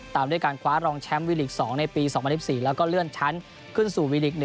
ตามด้วยการคว้ารองแชมป์วีลีก๒ในปี๒๐๑๔แล้วก็เลื่อนชั้นขึ้นสู่วีลีก๑